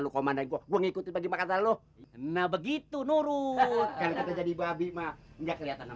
lu komandan gua ngikutin lagi makan lalu nah begitu nurut jadi babi enggak kelihatan orang